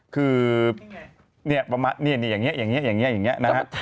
คืออย่างนี้อย่างนี้อย่างนี้